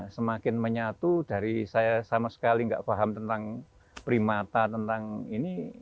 semakin menyatu dari saya sama sekali nggak paham tentang primata tentang ini